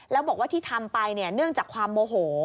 แล้วบอกว่าที่ทำไปเนื่องจากความโมโห